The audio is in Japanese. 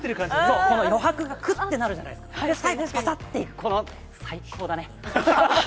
そう、余白がくってなるじゃないですか、最後ぱさっていく、最高だね。